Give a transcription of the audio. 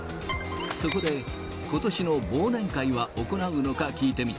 そこで、ことしの忘年会は行うのか聞いてみた。